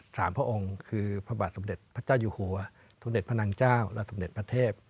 พระองค์คือพระบาทสมเด็จพระเจ้าอยู่หัวสมเด็จพระนางเจ้าและสมเด็จพระเทพ